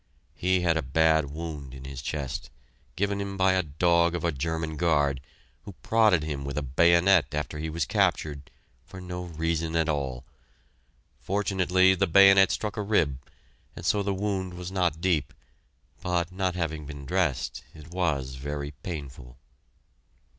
He had a bad wound in his chest, given him by a dog of a German guard, who prodded him with a bayonet after he was captured, for no reason at all. Fortunately the bayonet struck a rib, and so the wound was not deep, but not having been dressed, it was very painful.